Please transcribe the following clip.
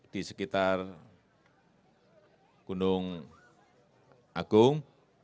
di sekitar gunung agung